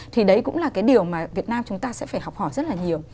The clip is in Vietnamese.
thì đấy cũng là cái điều mà việt nam chúng ta sẽ phải học hỏi rất là nhiều